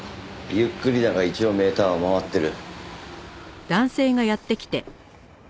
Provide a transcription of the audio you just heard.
ゆっくりだが一応メーターは回ってる。